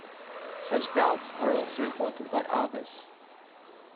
Such doubts are also reported by others.